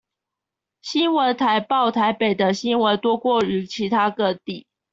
新聞台報台北的新聞多過於其他各地